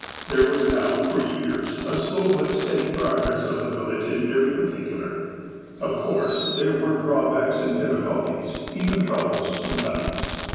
There was now, for years, a slow but steady progress of the village in every particular. Of course, there were BACK IN OLD ENGLAND 221 drawbacks, aud difficulties, even troubles, sometimes.